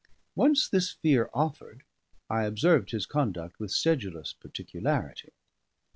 Once this fear offered, I observed his conduct with sedulous particularity.